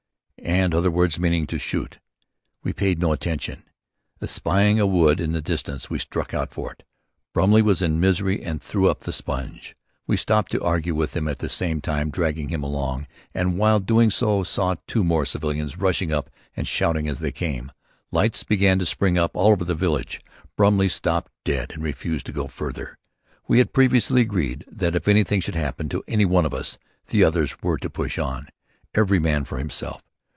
and other words meaning "to shoot." We paid no attention. Espying a wood in the distance, we struck out for it. Brumley was in misery and threw up the sponge. We stopped to argue with him, at the same time dragging him along, and while doing so saw two more civilians rushing up and shouting as they came. Lights began to spring up all over the village. Brumley stopped dead and refused to go farther. We had previously agreed that if anything should happen to any one of us the others were to push on, every man for himself.